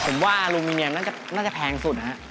ผมว่าอลูมิเนียมน่าจะแพงสุดนะฮะ